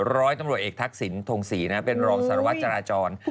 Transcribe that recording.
ร้อยตำรวจเอกทักษิณทงศรีเป็นรองสารวัตรจราจร